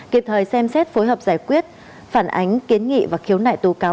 kịp thời xem xét phối hợp giải quyết phản ánh kiến nghị và khiếu nại tố cáo